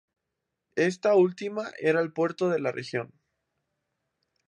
Esta última era el puerto de la región.